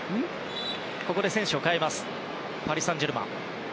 ここで選手を代えますパリ・サンジェルマン。